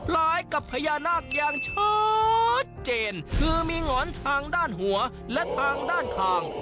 คล้ายกับพญานาคอย่างชัดเจนคือมีหงอนทางด้านหัวและทางด้านคาง